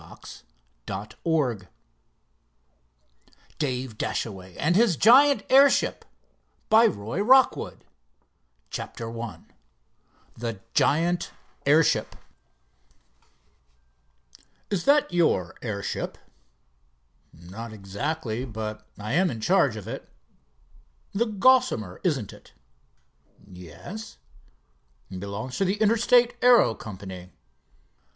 CONCLUSION 199 DAVE DASHAWAY AND HIS GIANT AIRSHIP CHAPTER I THE GIANT AIRSHIP "Is that your airship?" "Not exactly, but I am in charge of it." "The Gossamer, isn't it?" "Yes." "Belongs to the Interstate Aero Company?"